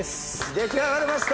出来上がりました！